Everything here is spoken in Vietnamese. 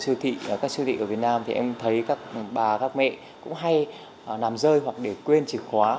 siêu thị các siêu thị ở việt nam thì em thấy các bà các mẹ cũng hay làm rơi hoặc để quên chìa khóa